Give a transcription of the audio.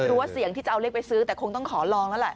ว่าเสี่ยงที่จะเอาเลขไปซื้อแต่คงต้องขอลองแล้วแหละ